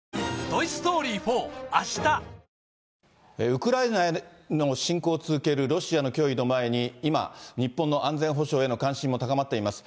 ウクライナへの侵攻を続けるロシアの脅威の前に、今、日本の安全保障への関心も高まっています。